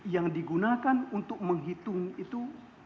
yang digunakan untuk menghitung itu